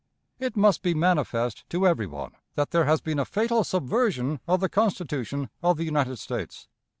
It must be manifest to every one that there has been a fatal subversion of the Constitution of the United States.